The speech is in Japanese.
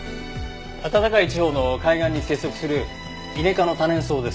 暖かい地方の海岸に生息するイネ科の多年草です。